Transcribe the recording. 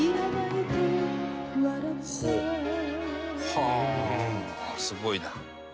「はあすごいな」